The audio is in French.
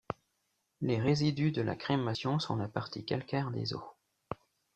Les résidus de la crémation sont la partie calcaire des os.